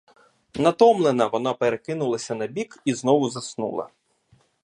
Натомлена, вона перекинулась на бік і знову заснула.